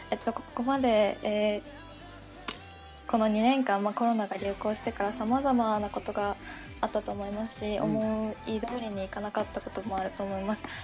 ここまでこの２年間、コロナが流行してからさまざまなことがあったと思いますし、思い通りにいかなかったこともあると思います。